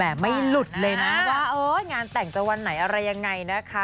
แต่ไม่หลุดเลยนะว่างานแต่งจะวันไหนอะไรยังไงนะคะ